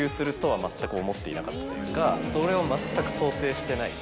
それを全く想定してない。